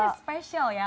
ini special ya